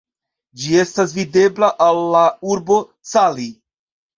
Ĝi estas videbla el la urbo Cali.